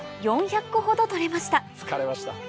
疲れました。